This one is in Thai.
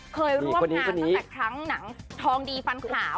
เคยร่วมงานตั้งแต่ครั้งหนังทองดีฟันขาว